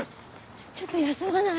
ちょっと休まない？